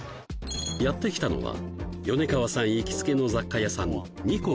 やって来たのは米川さん行きつけの雑貨屋さん